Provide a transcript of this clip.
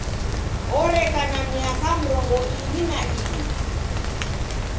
Oreka na miaka mrongo iw'I na iw'i.